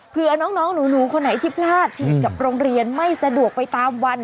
เพื่อน้องหนูคนไหนที่พลาดฉีดกับโรงเรียนไม่สะดวกไปตามวัน